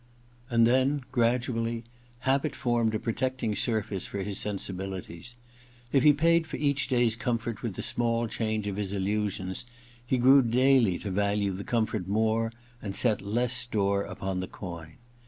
And then, gradually, habit formed a pro tecting surface for his sensibilities. If he paid for each day's comfort with the small change of his illusions, he grew daily to value the comfort more and set less store upon the coin.